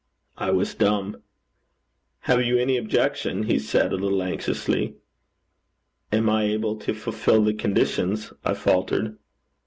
I was dumb. 'Have you any objection?' he said, a little anxiously. 'Am I able to fulfil the conditions?' I faltered.